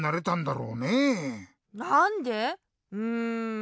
うん。